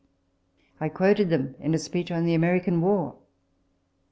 "* I quoted them in a speech on the American War.